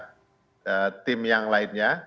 ini dilakukan oleh anggota tim yang lainnya